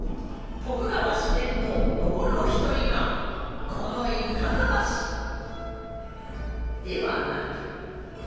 徳川四天王残るお一人がこのイカサマ師ではなく。